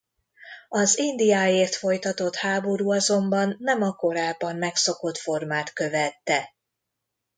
Az Indiáért folytatott háború azonban nem a korábban megszokott formát követte.